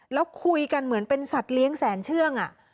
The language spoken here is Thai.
แล้วคุยกันเหมือนเป็นสัตว์เลี้ยงแสนเชื่อง